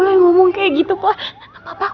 kamu gak apa apa